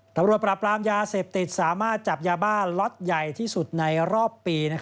ตำรวจปราบรามยาเสพติดสามารถจับยาบ้าล็อตใหญ่ที่สุดในรอบปี